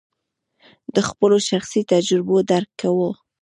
د خپلو شخصي تجربو درک کوو.